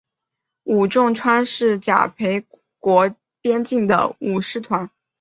武川众是甲斐国边境的武士团。